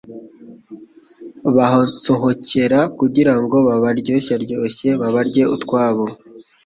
bahasohokera kugira ngo babaryoshyaryoshye babarye utwabo.